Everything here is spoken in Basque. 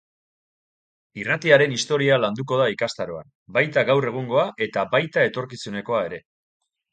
Irratiaren historia landuko da ikastaroan, baita gaur egungoa eta baita etorkizunekoa ere.